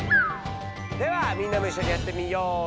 ではみんなもいっしょにやってみよう！